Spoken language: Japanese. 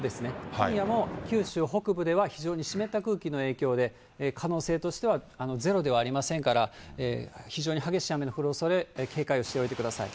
今夜も、九州北部では非常に湿った空気の影響で、可能性としてはゼロではありませんから、非常に激しい雨の降るおそれ、警戒をしておいてください。